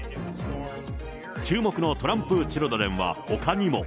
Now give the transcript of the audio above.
注目のトランプ・チルドレンはほかにも。